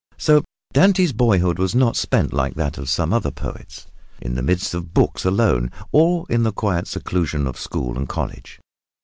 So Dante's boyhood was not spent like that of some other poets, in the midst of books alone, or in the quiet seclusion of school and college.